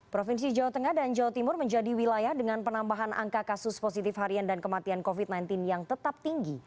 provinsi jawa tengah dan jawa timur menjadi wilayah dengan penambahan angka kasus positif harian dan kematian covid sembilan belas yang tetap tinggi